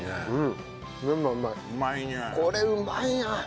これうまいな。